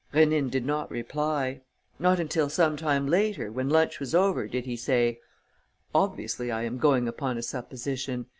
Rénine did not reply. Not until some time later, when lunch was over, did he say: "Obviously I am going upon a supposition.